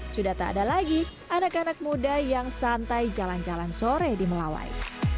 sudah tak ada lagi anak anak muda yang santai jalan jalan sore di melawai